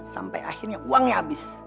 sampai akhirnya uangnya habis